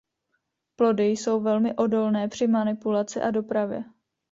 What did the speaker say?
Plody jsou velmi odolné při manipulaci a dopravě.